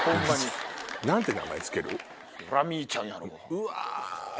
うわ。